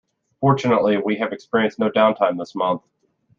Fortunately, we have experienced no downtime this month.